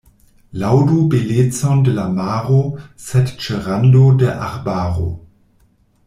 Laŭdu belecon de la maro, sed ĉe rando de arbaro.